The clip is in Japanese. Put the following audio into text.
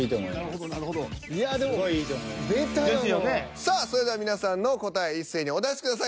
さあそれでは皆さんの答え一斉にお出しください